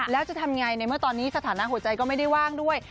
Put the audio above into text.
แล้วจะทำไงในเมื่อตอนนี้สถานะหัวใจก็ไม่ได้ว่างด้วย